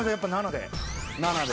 ７で。